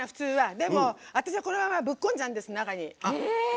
でも、私は、このままぶっこんじゃうんです、中に。